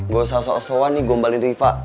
gak usah sok sokan nih gombalin riva